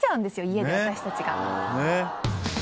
私たちが。